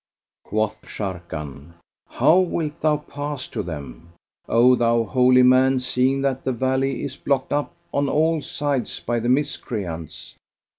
Quoth Sharrkan, "How wilt thou pass to them, O thou holy man, seeing that the valley is blocked up on all sides by the Miscreants?"